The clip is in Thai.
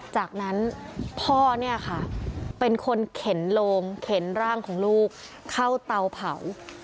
จากนั้นพ่อเนี่ยค่ะเป็นคนเข็นโลงเข็นร่างของลูกเข้าเตาเผา